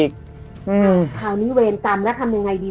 คราวนี้เวรกรรมแล้วทำยังไงดี